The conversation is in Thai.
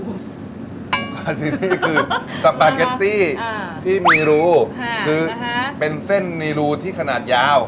ปาซิตี้คือสปาเกตตี้ที่มีรูคือเป็นเส้นในรูที่ขนาดยาว